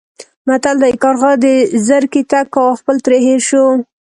متل دی: کارغه د زرکې تګ کاوه خپل ترې هېر شو.